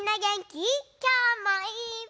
きょうもいっぱい。